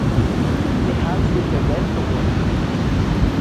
The house with the red door.